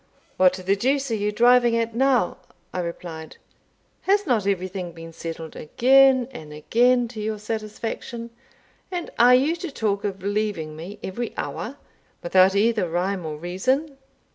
"What the deuce are you driving at now?" I replied. "Has not everything been settled again and again to your satisfaction? And are you to talk of leaving me every hour, without either rhyme or reason?"